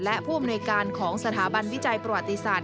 และผู้อำนวยการของสถาบันวิจัยประวัติศาสต